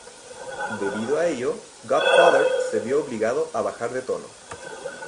Debido a ello, Godfather se vio obligado a bajar de tono.